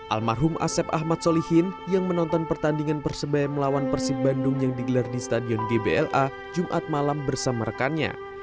almarhum asep ahmad solihin yang menonton pertandingan persebaya melawan persib bandung yang digelar di stadion gbla jumat malam bersama rekannya